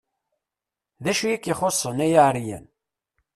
D acu i k-ixuṣṣen, ay aɛeryan?